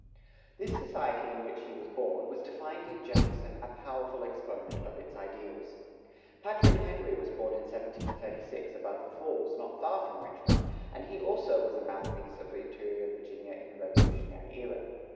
This society in which he was born, was to find in Jefferson a powerful exponent of its ideals.[94:2] Patrick Henry was born in 1736 above the falls, not far from Richmond, and he also was a mouthpiece of interior Virginia in the Revolutionary era.